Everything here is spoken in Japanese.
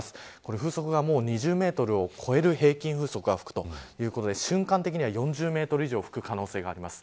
風速が２０メートルを超える平均風速が吹くということで瞬間的には４０メートル以上吹く可能性があります。